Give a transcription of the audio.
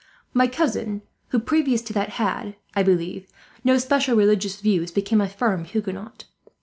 "My cousin, who previous to that had, I believe, no special religious views, became a firm Huguenot.